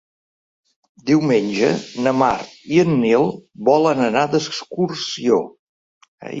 Diumenge na Mar i en Nil volen anar d'excursió.